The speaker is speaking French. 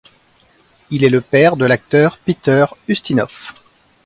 Il est le père de l'acteur Peter Ustinov.